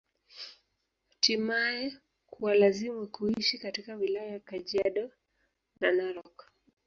Htimae kuwalazimu kuishi katika wilaya ya Kajaido na Narok